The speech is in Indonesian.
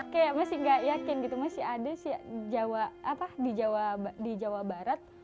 kayak masih gak yakin gitu masih ada sih jawa barat